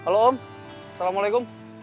halo om assalamualaikum